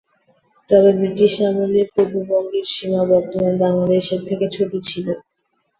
তবে ব্রিটিশ আমলের পূর্ববঙ্গের সীমানা বর্তমান বাংলাদেশের থেকে ছোট ছিলো।